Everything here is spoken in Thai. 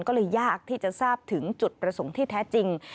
ก็เลยยากที่จะทราบถึงจุดประสงค์ที่แท้จริง